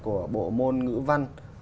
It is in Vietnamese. của bộ môn ngữ văn